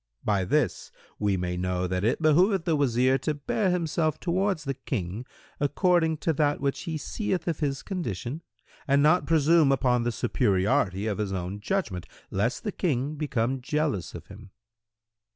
By this we may know that it behoveth the Wazir to bear himself towards the King according to that which he seeth of his condition and not presume upon the superiority of his own judgment, lest the King become jealous of him."